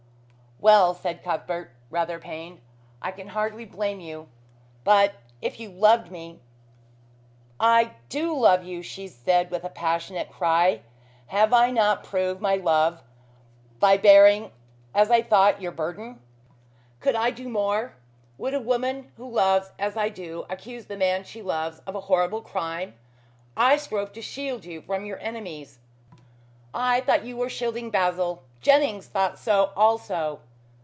"Well," said Cuthbert, rather pained, "I can hardly blame you. But if you loved me " "I do love you," she said with a passionate cry. "Have I not proved my love by bearing as I thought your burden? Could I do more? Would a woman who loves as I do accuse the man she loves of a horrible crime? I strove to shield you from your enemies." "I thought you were shielding Basil. Jennings thought so also."